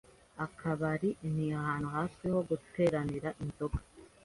Akabari ni ahantu hazwi ho guteranira inzoga.